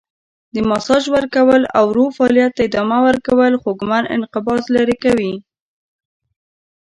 د ماساژ ورکول او ورو فعالیت ته ادامه ورکول خوږمن انقباض لرې کوي.